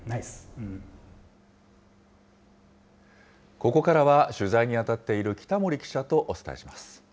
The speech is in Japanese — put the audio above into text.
ここからは、取材に当たっている北森記者とお伝えします。